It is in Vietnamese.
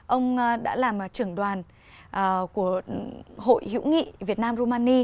ông đã làm trưởng đoàn của hội hữu nghị việt nam rumani